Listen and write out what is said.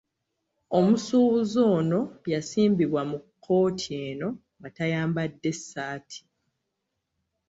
Omusuubuzi ono yasimbibwa mu kkooti eno nga tayambadde ssaati.